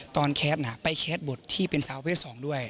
ตอนแคดนะไปแคดบทที่เป็นสาวเพศสองด้วย